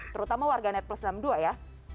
terutama warga net plus enam puluh dua ya